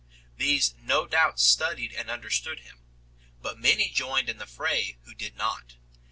These no doubt studied and understood him ; but many joined in the fray who did not.